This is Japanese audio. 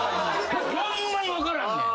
ホンマに分からんねん。